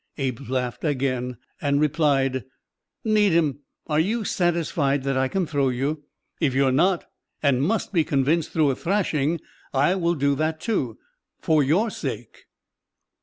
Abe laughed again and replied: "Needham, are you satisfied that I can throw you? If you are not, and must be convinced through a thrashing, I will do that, too for your sake!"